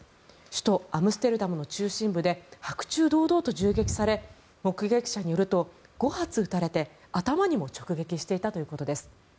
首都アムステルダムの中心部で白昼堂々と銃撃され目撃者によると５発撃たれて頭にも直撃していたということです。